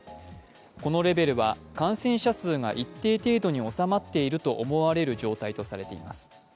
このレベルは感染者数が一定程度に収まっていると思われる状態とされています。